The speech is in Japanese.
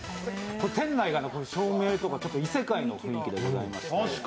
店内が、照明とかちょっと異世界の雰囲気でございまして、